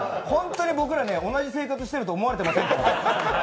僕ら同じ生活をしていると思われていませんから。